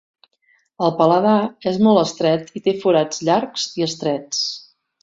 El paladar és molt estret i té forats llargs i estrets.